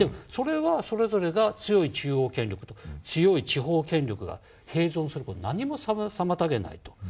それはそれぞれが強い中央権力と強い地方権力が併存する事を何も妨げないと。